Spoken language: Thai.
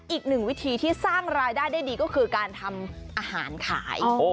อีกหนึ่งวิธีที่สร้างรายได้ได้ดีก็คือการทำอาหารขาย